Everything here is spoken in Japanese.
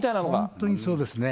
本当にそうですね。